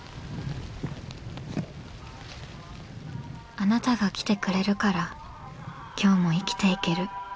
あなたが来てくれるから今日も生きていける。